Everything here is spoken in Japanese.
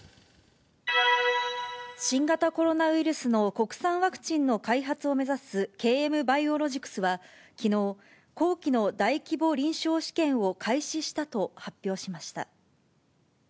新型コロナウイルスの国産ワクチンの開発を目指すＫＭバイオロジクスはきのう、後期の大規模臨床試験を開始したと発表しました。